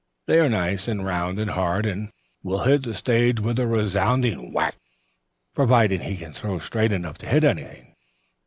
They are nice and round and hard, and will hit the stage with a resounding whack, providing he can throw straight enough to hit anything.